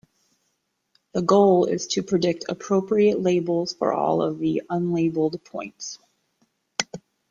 The goal is to predict appropriate labels for all of the unlabeled points.